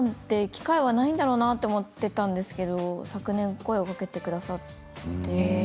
機会はないんだろうなと思っていたんですけれど昨年、声をかけてくださって。